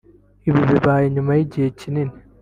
Ibi bibaye nyuma y’igihe kinini